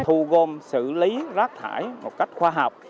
thu gom xử lý rác thải một cách khoa học